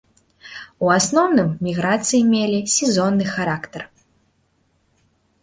У асноўным міграцыі мелі сезонны характар.